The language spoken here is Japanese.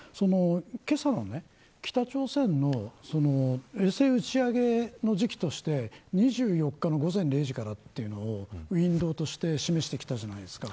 僕、一つ気になっているのはけさの北朝鮮の衛星打ち上げの時期として２４日の午前０時からというのをウィンドウとして示してきたじゃないですか。